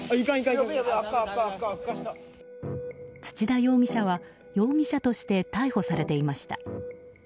土田容疑者は容疑者として逮捕されていました。